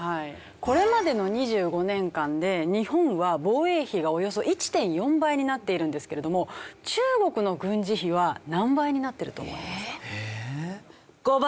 これまでの２５年間で日本は防衛費がおよそ１．４倍になっているんですけれども中国の軍事費は何倍になってると思いますか？